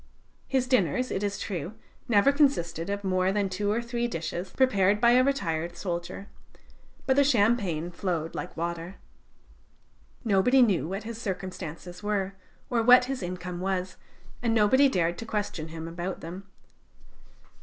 His dinners, it is true, never consisted of more than two or three dishes, prepared by a retired soldier, but the champagne flowed like water. Nobody knew what his circumstances were, or what his income was, and nobody dared to question him about them.